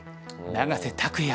永瀬拓矢